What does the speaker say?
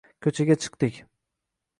Ko`chaga chiqdik